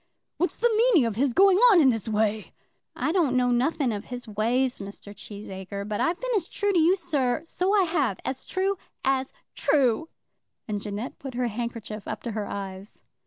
"What's the meaning of his going on in this way?" "I don't know nothing of his ways, Mr. Cheesacre; but I've been as true to you, sir; so I have; as true as true." And Jeannette put her handkerchief up to her eyes.